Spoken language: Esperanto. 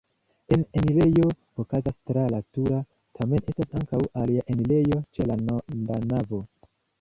La enirejo okazas tra la turo, tamen estas ankaŭ alia enirejo ĉe la navo.